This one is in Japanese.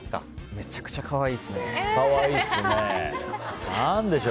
めちゃくちゃ可愛いですね。